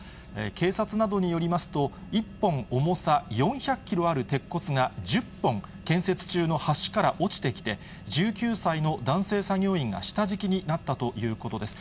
警察などによりますと、１本重さ４００キロある鉄骨が１０本、建設中の橋から落ちてきて、１９歳の男性作業員が下敷きになったということです。